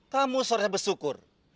kamu seharusnya bersyukur